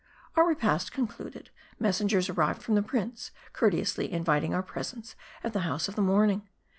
Our repast concluded, messengers arrived from the prince, courteously inviting our presence at the House of the Morn ing.